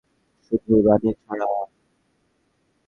শুধু রানী ছাড়া।